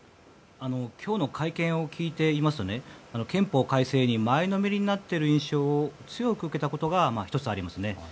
今日の会見を聞いていますと憲法改正に前のめりになっている印象を強く受けたことが１つありますね。